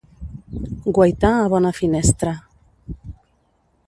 Guaitar a bona finestra.